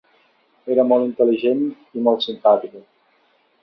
Era molt intel·ligent i molt simpàtica.